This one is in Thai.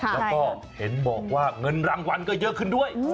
แล้วก็เห็นบอกว่าเงินรางวัลก็เยอะขึ้นด้วย